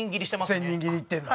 １０００人斬りいってるの？